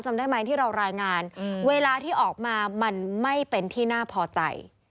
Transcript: จำได้ไหมที่เรารายงานเวลาที่ออกมามันไม่เป็นที่น่าพอใจ